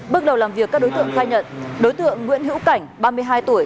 bước đầu làm việc các đối tượng khai nhận đối tượng nguyễn hữu cảnh ba mươi hai tuổi